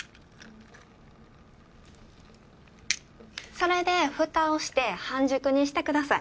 それで蓋をして半熟にしてください。